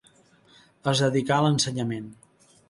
Es dedicà a l'ensenyament.